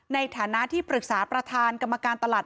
ในฐานะที่ปรึกษาประธานกรรมการตลาด